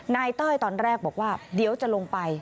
เต้ยตอนแรกบอกว่าเดี๋ยวจะลงไป